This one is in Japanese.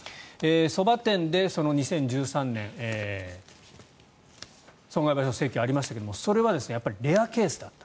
そば店で２０１３年損害賠償請求がありましたがそれはレアケースだった。